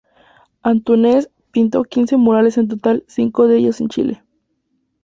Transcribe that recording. Antúnez pintó quince murales en total, cinco de ellos en Chile.